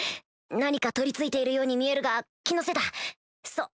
何か取りついているように見えるが気のせいだそう